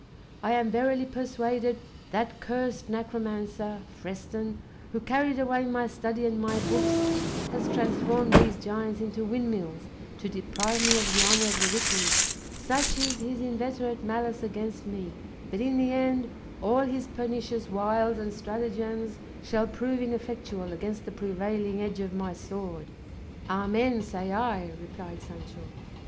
I am verily persuaded that cursed necromancer, Freston, who carried away my study and my books, has transformed these giants into windmills to deprive me of the honour of the victory; such is his inveterate malice against me; but in the end, all his pernicious wiles and stratagems shall prove ineffectual against the prevailing edge of my sword." "Amen, say I," replied Sancho.